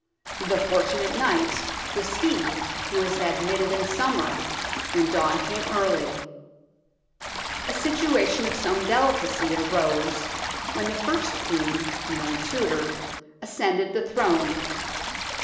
The fortunate knight was he who was admitted in summer, when dawn came early. A situation of some delicacy arose when the first Queen, Mary Tudor, ascended the Throne.